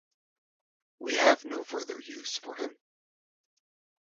We have no further use for him.